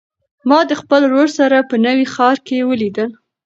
ما د خپل ورور سره په نوي ښار کې ولیدل.